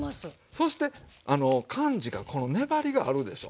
そして感じがこの粘りがあるでしょ。